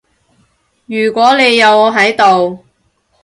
如果你有我喺度